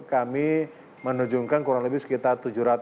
kami menunjukkan kurang lebih sekitar